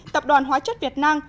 hoàn hóa chất việt nam